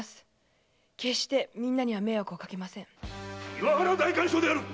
岩鼻代官所である！